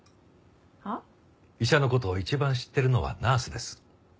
医者の事を一番知ってるのはナースです。